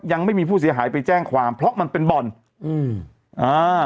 ยังไม่มีผู้เสียหายไปแจ้งความเพราะมันเป็นบ่อนอืมอ่า